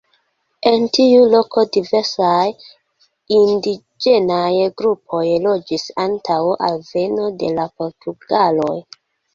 En tiu loko diversaj indiĝenaj grupoj loĝis antaŭ alveno de la portugaloj.